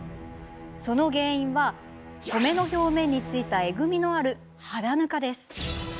その原因は米の表面についたえぐみのある肌ぬかです。